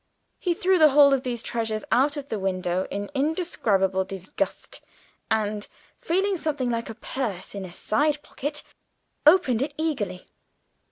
He threw the whole of these treasures out of the window with indescribable disgust, and, feeling something like a purse in a side pocket, opened it eagerly.